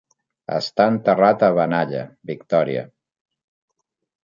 Està enterrat a Benalla, Victòria.